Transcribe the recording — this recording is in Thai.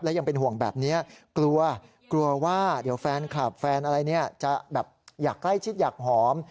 ยังเป็นห่วงแบบนี้กลัวกลัวว่าเดี๋ยวแฟนคลับแฟนอะไรเนี่ยจะแบบอยากใกล้ชิดอยากหอม